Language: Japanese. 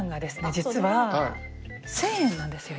実は１，０００円なんですよ